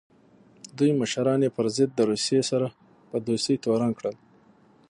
دوی مشران یې پر ضد د روسیې سره په دوستۍ تورن کړل.